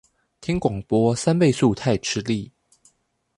聽廣播三倍速太吃力